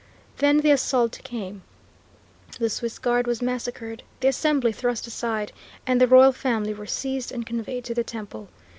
Then the assault came, the Swiss guard was massacred, the Assembly thrust aside, and the royal family were seized and conveyed to the Temple.